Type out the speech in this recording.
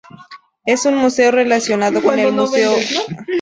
Es un museo relacionado con el Museo Valenciano de Etnología.